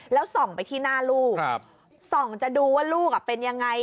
แล้วส่องไปที่หน้าลูกส่องจะดูว่าลูกเป็นยังไง